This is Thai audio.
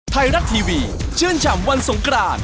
ไทยรัฐทีวีชื่นฉ่ำวันสงกราน